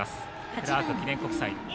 クラーク記念国際。